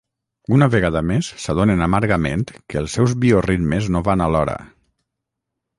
Una vegada més s'adonen amargament que els seus bioritmes no van alhora.